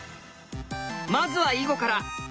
まずは囲碁から！